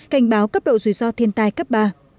cảnh báo cấp độ rủi ro thiên tai cấp ba